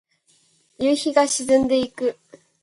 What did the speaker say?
夕日が沈んでいく。